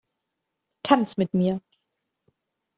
Tanz mit mir!